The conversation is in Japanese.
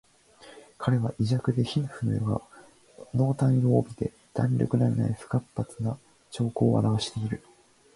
彼は胃弱で皮膚の色が淡黄色を帯びて弾力のない不活発な徴候をあらわしている